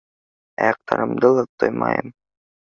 Аяҡтарымды ла тоймайым.